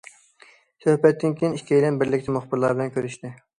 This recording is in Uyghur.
سۆھبەتتىن كېيىن، ئىككىيلەن بىرلىكتە مۇخبىرلار بىلەن كۆرۈشتى.